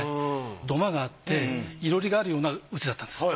土間があって囲炉裏があるような家だったんです。